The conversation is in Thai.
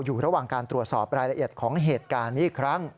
อยู่ระหว่างการตรวจสอบรายละเอียดของเหตุการณ์นี้อีกครั้ง